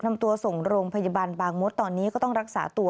นำตัวส่งโรงพยาบาลบางมดตอนนี้ก็ต้องรักษาตัว